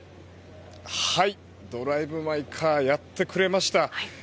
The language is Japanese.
「ドライブ・マイ・カー」やってくれました。